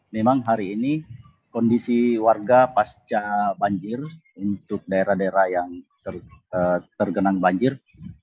memang hari ini kondisi warga pasca banjir untuk daerah daerah yang tergenang banjir